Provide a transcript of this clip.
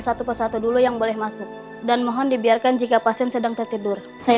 satu persatu dulu yang boleh masuk dan mohon dibiarkan jika pasien sedang tertidur saya